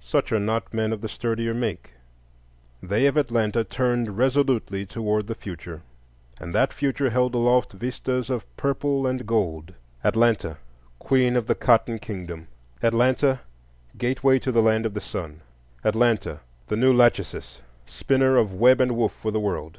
Such are not men of the sturdier make; they of Atlanta turned resolutely toward the future; and that future held aloft vistas of purple and gold:—Atlanta, Queen of the cotton kingdom; Atlanta, Gateway to the Land of the Sun; Atlanta, the new Lachesis, spinner of web and woof for the world.